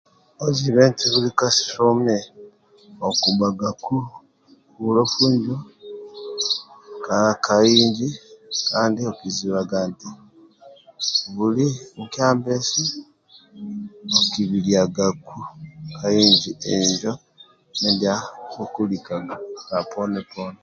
Ozibe oti buli kasumi okubhuwagaku bulofu injo ka inji kandi ozibe eti buli nkyambisi okibiliqgaku ka injo mindia kokulikagaku ka inji poni poni